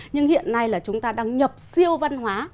nhưng hiện nay là chúng ta đang nhập siêu văn hóa